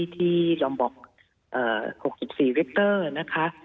ที่ดอมบอก๖๔วิปเตอร์นะคะ